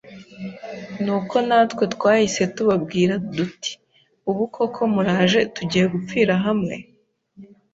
Ni uko natwe twahise tubabwira duti ‘Ubu koko muraje tugiye gupfira hamwe